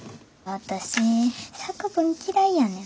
私作文嫌いやねん。